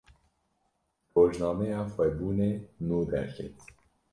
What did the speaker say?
Rojnameya Xwebûnê nû derket.